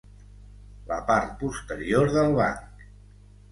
La part posterior del banc.